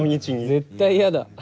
絶対嫌だ。